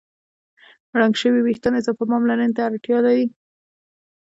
رنګ شوي وېښتيان اضافه پاملرنې ته اړتیا لري.